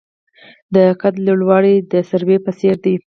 د قد لوړوالی د سروې په څیر دی.